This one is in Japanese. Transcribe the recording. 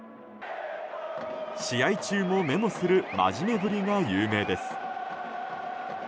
試合中もメモする真面目ぶりが有名です。